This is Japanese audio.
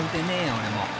俺も］